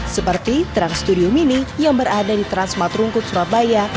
seperti trans studio mini yang berada di transmat rungkut surabaya